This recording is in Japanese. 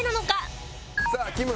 さあきむ。